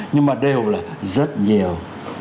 nhưng mà đều là rất nhiều